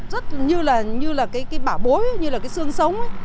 rất như là cái bả bối như là cái xương sống